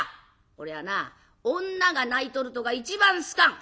俺はな女が泣いとるとが一番好かん。